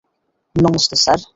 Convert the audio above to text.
Namaste, sir.